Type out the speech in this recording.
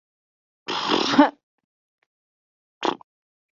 建构亚太金融中心